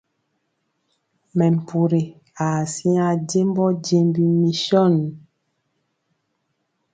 Mɛmpuri aa siŋa jembɔ jembi misɔn.